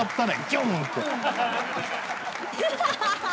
ハハハハ！